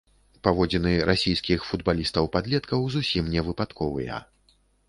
Паводзіны расійскіх футбалістаў-падлеткаў зусім не выпадковыя.